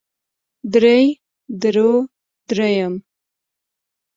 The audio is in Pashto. درې درو درېيم